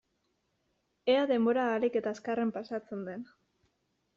Ea denbora ahalik eta azkarren pasatzen den.